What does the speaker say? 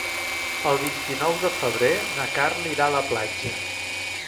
El vint-i-nou de febrer na Carla irà a la platja.